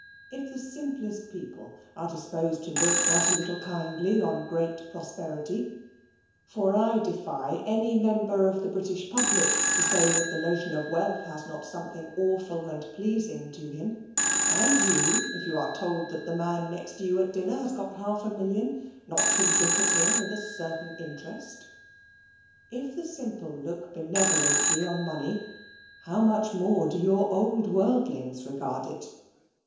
If the simplest people are disposed to look not a little kindly on great Prosperity (for I defy any member of the British public to say that the notion of Wealth has not something awful and pleasing to him; and you, if you are told that the man next you at dinner has got half a million, not to look at him with a certain interest) if the simple look benevolently on money, how much more do your old worldlings regard it!